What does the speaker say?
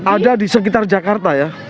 ada di sekitar jakarta ya